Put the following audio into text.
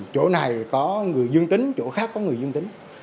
chỗ này có người dương tính chỗ khác có người dương tính